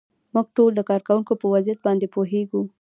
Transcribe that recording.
موږ ټول د کارکوونکو په وضعیت باندې پوهیږو.